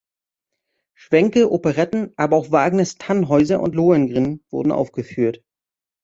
Schwänke, Operetten, aber auch Wagners "Tannhäuser" und "Lohengrin" wurden aufgeführt.